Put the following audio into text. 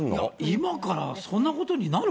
今からそんなことになる？